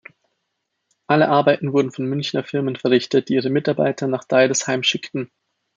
Alle Arbeiten wurden von Münchener Firmen verrichtet, die ihre Mitarbeiter nach Deidesheim schickten.